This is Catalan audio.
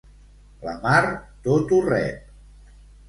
La mar tot ho rep.